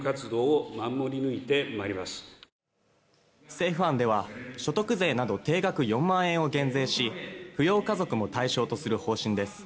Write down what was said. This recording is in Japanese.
政府案では所得税など定額４万円を減税し扶養家族も対象とする方針です。